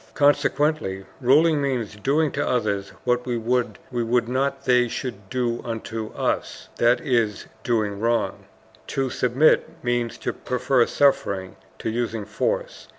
Consequently ruling means doing to others what we would not they should do unto us, that is, doing wrong. To submit means to prefer suffering to using force.